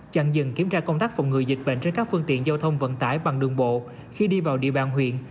chặn dừng kiểm tra công tác phòng ngừa dịch bệnh trên các phương tiện giao thông vận tải bằng đường bộ khi đi vào địa bàn huyện